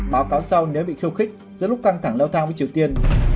báo cáo sau nếu bị khiêu khích giữa lúc căng thẳng leo thang với triều tiên